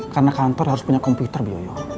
karena kantor harus punya komputer biyoyo